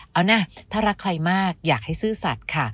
เอานะถ้ารักใครมากอยากให้ซื่อสัตว์ค่ะ